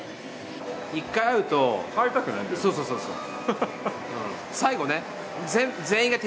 そうそうそうそう。